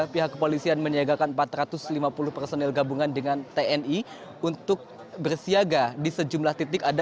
pihak kepolisian menyiagakan empat ratus lima puluh personil gabungan dengan tni untuk bersiaga di sejumlah titik